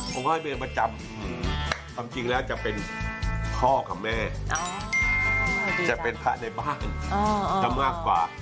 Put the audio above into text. ของค่อยเป็นคนประจำค่ะ